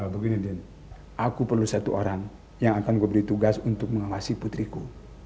begini den aku perlu satu orang yang akan gue beri tugas untuk mengawasi putriku